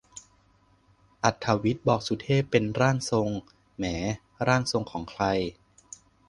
อรรถวิทย์บอกสุเทพเป็น "ร่างทรง" แหม่ ร่างทรงของใคร